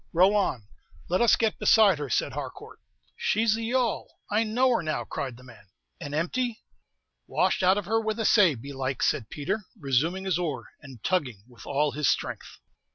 "Row on, let us get beside her," said Harcourt. "She's the yawl! I know her now," cried the man. "And empty?" "Washed out of her with a say, belike," said Peter, resuming his oar, and tugging with all his strength.